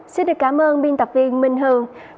xin được cảm ơn biên tập viên minh hường